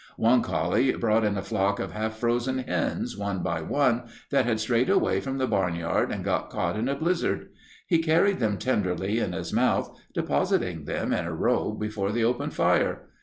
One collie brought in a flock of half frozen hens, one by one, that had strayed away from the barnyard and got caught in a blizzard. He carried them tenderly in his mouth, depositing them in a row before the open fire.